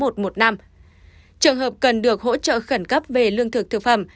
trường hợp cần được hỗ trợ khẩn cấp về lương thực thực phẩm